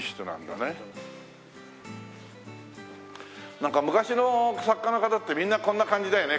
なんか昔の作家の方ってみんなこんな感じだよね。